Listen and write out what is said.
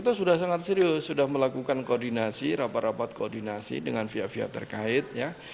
kita sudah sangat serius sudah melakukan koordinasi rapat rapat koordinasi dengan pihak pihak terkait ya